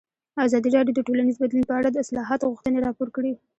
ازادي راډیو د ټولنیز بدلون په اړه د اصلاحاتو غوښتنې راپور کړې.